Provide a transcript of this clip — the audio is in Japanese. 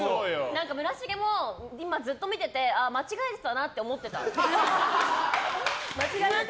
村重も今ずっと見てて間違えてたなって思ってた。